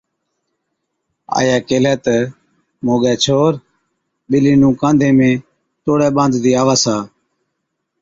آئِيئَي ڪيهلَي تہ، ’موڳَي ڇوهر، ٻلِي نُون ڪانڌي ۾ توڙَي ٻانڌتِي آوَس ها‘۔